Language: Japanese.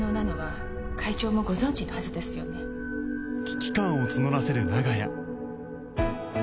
危機感を募らせる長屋